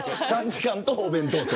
３時間とお弁当。